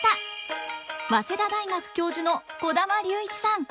早稲田大学教授の児玉竜一さん。